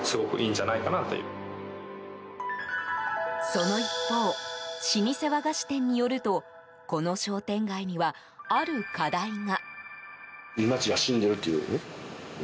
その一方老舗和菓子店によるとこの商店街には、ある課題が。